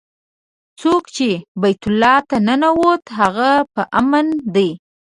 څوک چې بیت الله ته ننوت هغه په امن دی.